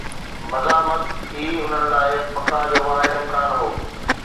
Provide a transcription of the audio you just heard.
مزاحمت ئي هنن لاءِ بقا جو واحد امڪان هو.